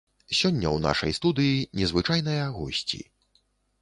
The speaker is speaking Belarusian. Сёння ў нашай студыі незвычайная госці.